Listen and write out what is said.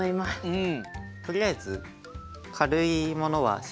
うん！